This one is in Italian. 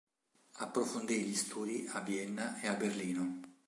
Approfondì gli studi a Vienna e a Berlino.